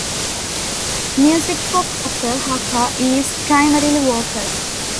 Music for kapa haka is primarily vocal.